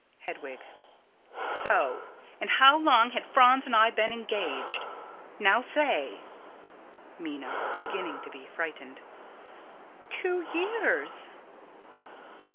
Hedwig: So! And how long had Franz and I been engaged? Now say. Minna: [Beginning to be frightened.] Two years.